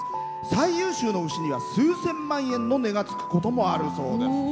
最優秀の牛には数千万の値がつくこともあるそうです。